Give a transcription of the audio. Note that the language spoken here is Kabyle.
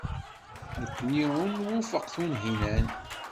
Nekkni ur nwufeq Tunhinan.